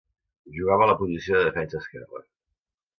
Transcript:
Jugava a la posició de defensa esquerre.